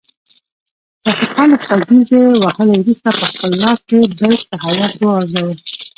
راشد خان له شپږیزې وهلو وروسته پخپل لاس کې بیټ په هوا کې وخوځاوه